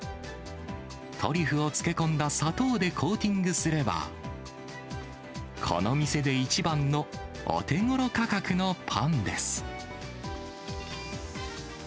トリュフを漬け込んだ砂糖でコーティングすれば、この店で一番のお手ごろ価格のパンです。